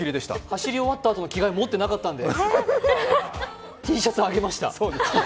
走り終わったあとも着替え持ってなかったのでＴシャツあげました。